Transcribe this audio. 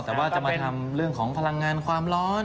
แต่ว่าจะมาทำเรื่องของพลังงานความร้อน